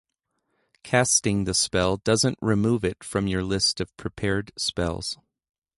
Casting the spell doesn’t remove it from your list of prepared spells.